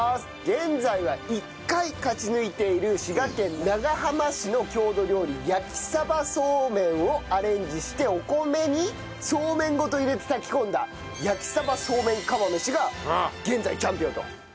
現在は１回勝ち抜いている滋賀県長浜市の郷土料理焼鯖そうめんをアレンジしてお米にそうめんごと入れて炊き込んだ焼鯖そうめん釜飯が現在チャンピオンと。